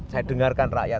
saya dengarkan rakyat